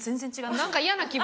何か嫌な気分